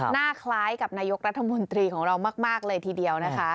หน้าคล้ายกับนายกรัฐมนตรีของเรามากเลยทีเดียวนะคะ